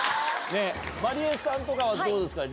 まりゑさんとかはどうですか？